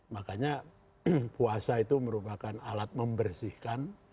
makanya puasa itu merupakan alat membersihkan